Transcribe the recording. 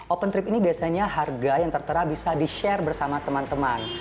open trip ini biasanya harga yang tertera bisa di share bersama teman teman